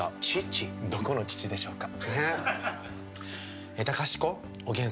どこの、ちちでしょうか？